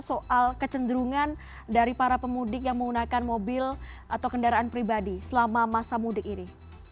soal kecenderungan dari para pemudik yang menggunakan mobil atau kendaraan pribadi selama masa mudik ini